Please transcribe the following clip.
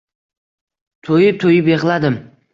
Toʻyib-toʻyib yigʻladim